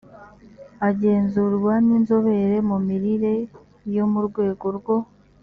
agenzurwa n inzobere mu mirire yo mu rwego rwo